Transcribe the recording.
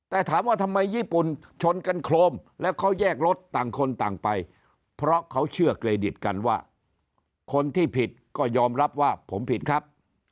แต่ถามว่าทำไมญี่ปุ่นชนกันโครมแล้วเขาแยกรถต่างคนต่างไปเพราะเขาเชื่อเครดิตกันว่าคนที่ผิดก็ยอมรับว่าผมผิดครับ